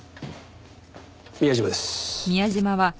宮島です。